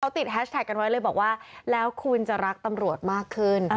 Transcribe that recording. ติดแฮชแท็กกันไว้เลยบอกว่าแล้วคุณจะรักตำรวจมากขึ้น